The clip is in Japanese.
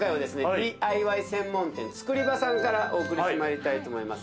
ＤＩＹ専門店ｔｕｋｕｒｉｂａさんからお送りしてまいりたいと思います。